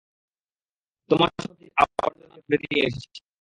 তোমার সব জিনিস আবর্জনার ব্যাগে ভরে নিয়ে এসেছি।